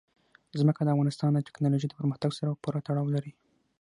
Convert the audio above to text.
ځمکه د افغانستان د تکنالوژۍ پرمختګ سره پوره تړاو لري.